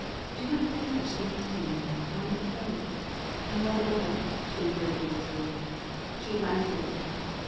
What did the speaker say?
"Do not say such things to me ; I am betrothed — I love another," she hurriedly whispered. She glanced at him.